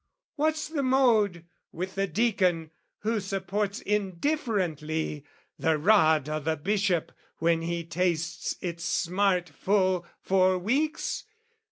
What's the mode With the Deacon who supports indifferently The rod o' the Bishop when he tastes its smart Full four weeks?